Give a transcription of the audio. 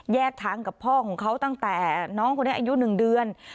ทางกับพ่อของเขาตั้งแต่น้องคนนี้อายุ๑เดือน